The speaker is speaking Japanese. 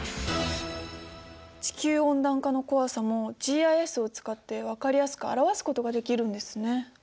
地球温暖化の怖さもＧＩＳを使って分かりやすく表すことができるんですね。